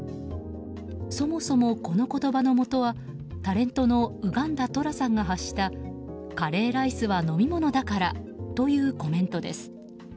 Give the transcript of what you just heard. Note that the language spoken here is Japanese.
そもそもこの言葉のもとはタレントのウガンダ・トラさんが発したカレーライスは飲み物だからというコメントです。